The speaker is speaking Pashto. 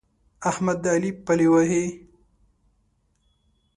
احمد د علي پلې وهي.